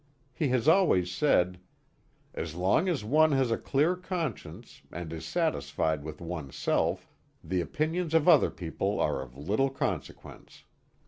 He has always said: "As long as one has a clear conscience, and is satisfied with one's self, the opinions of other people are of little consequence."